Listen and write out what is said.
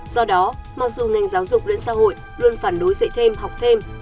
do đó mặc dù ngành giáo dục lẫn xã hội luôn phản đối dạy thêm học thêm